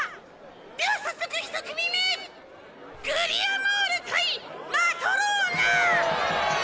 では早速一組目グリアモール対マトローナ！わあ！